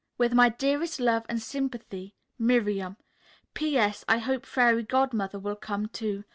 With my dearest love and sympathy, "MIRIAM." "P. S. I hope Fairy Godmother will come, too.